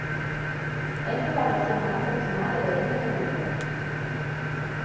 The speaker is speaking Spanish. Esta es la versión más aproximada del origen del nombre.